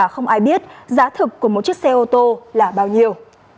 không ai biết giá thực của một chiếc xe ô tô là bao nhiêu